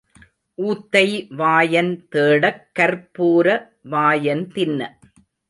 ஊத்தை வாயன் தேடக் கர்ப்பூர வாயன் தின்ன.